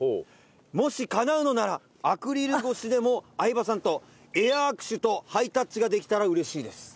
もし叶うのならアクリル越しでも相葉さんとエア握手とハイタッチができたら嬉しいです。